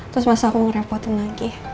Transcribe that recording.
terus masa aku ngerepotin lagi